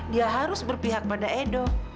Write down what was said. dia harus berpihak pada edo